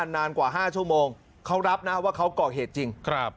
นานกว่า๕ชั่วโมงเขารับนะว่าเขาก่อเหตุจริง